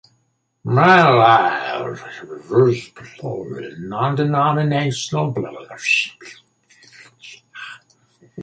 "Man Alive" took a diverse non-denominational approach to religious and spiritual matters.